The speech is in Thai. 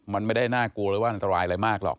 มันไม่ได้น่ากลัวหรือว่าอันตรายอะไรมากหรอก